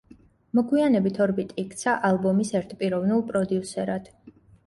მოგვიანებით ორბიტი იქცა ალბომის ერთპიროვნულ პროდიუსერად.